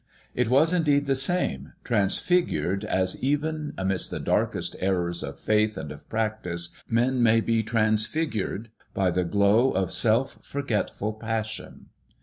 It was indeed the same, transfigured as even, amidst the darkest errors of faith and of practice, men maybe transfigured by the glow of self forgetful passion.